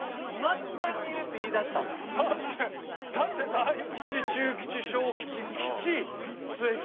だって大吉中吉小吉吉末吉。